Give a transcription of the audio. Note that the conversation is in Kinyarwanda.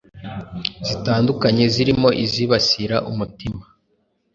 zitandukanye zirimo izibasira umutima.